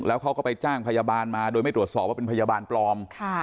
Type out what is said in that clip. แล้วเขาก็ไปจ้างพยาบาลมาโดยไม่ตรวจสอบว่าเป็นพยาบาลปลอม